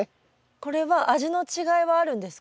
これは味の違いはあるんですか？